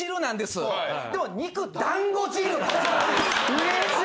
うれしい！